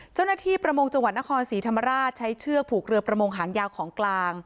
ประมงจังหวัดนครศรีธรรมราชใช้เชือกผูกเรือประมงหางยาวของกลาง